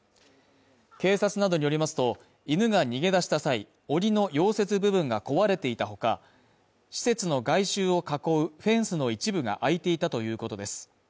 警察などによりますと、犬が逃げ出した際、おりの溶接部分が壊れていたほか、施設の外周を囲うフェンスの一部が開いていたということです。